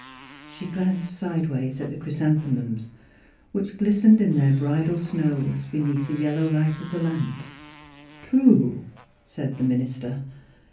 " She glanced sidewise at the chrysan themums which glistened in their bridal snows beneath the yellow light of the lamp. " True," said the minister.